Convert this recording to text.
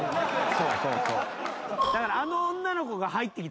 そうそうそう。